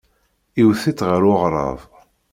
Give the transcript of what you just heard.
Iwet-itt ɣer uɣrab.